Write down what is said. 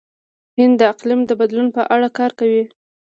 هند د اقلیم د بدلون په اړه کار کوي.